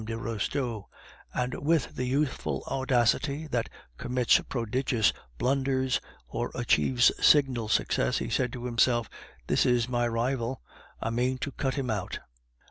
de Restaud; and with the youthful audacity that commits prodigious blunders or achieves signal success, he said to himself, "This is my rival; I mean to cut him out."